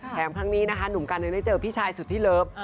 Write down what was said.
ครั้งนี้นะคะหนุ่มกันยังได้เจอพี่ชายสุดที่เลิฟ